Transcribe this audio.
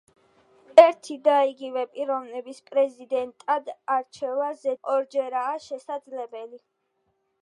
ერთი და იგივე პიროვნების პრეზიდენტად არჩევა ზედიზედ მხოლოდ ორჯერაა შესაძლებელი.